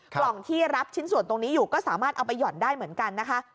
กล่องที่รับชิ้นส่วนตรงนี้อยู่ก็สามารถเอาไปห่อนได้เหมือนกันนะคะ